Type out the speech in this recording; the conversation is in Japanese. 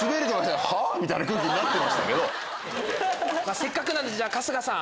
せっかくなんで春日さん。